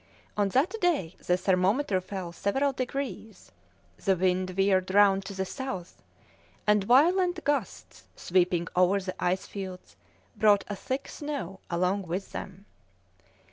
On that day the thermometer fell several degrees; the wind veered round to the south, and violent gusts, sweeping over the ice fields, brought a thick snow along with them.